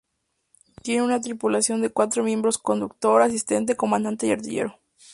Tiene una tripulación de cuatro miembros: conductor, asistente, comandante y artillero.